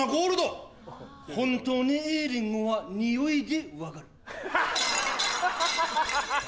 本当にいいリンゴは匂いで分かる。